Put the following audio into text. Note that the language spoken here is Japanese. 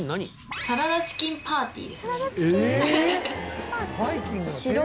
「サラダチキンパーティー？」